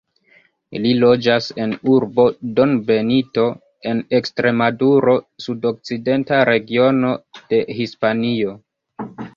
Li loĝas en urbo Don Benito en Ekstremaduro, sudokcidenta regiono de Hispanio.